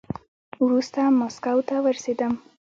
وروسته ماسکو ته ورسېدم.